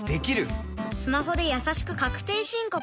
スマホでやさしく確定申告できます